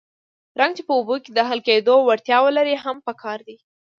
رنګ چې په اوبو کې د حل کېدو وړتیا ولري هم پکار دی.